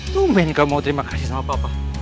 tumen kamu mau terima kasih sama papa